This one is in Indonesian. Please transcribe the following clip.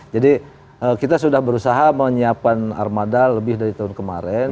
jadi kita sudah berusaha menyiapkan armada lebih dari tahun kemarin